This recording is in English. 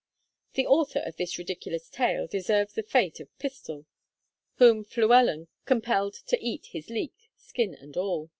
The author of this ridiculous tale deserves the fate of Pistol, whom Fluellen compelled to eat his leek, skin and all.